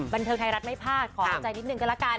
บนเทิงไทรัสไม่พลาดขอใจนิดนึงกันละกัน